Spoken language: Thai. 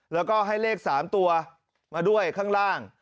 แล้วก็ให้เลข๓ตัวมาด้วยข้างล่าง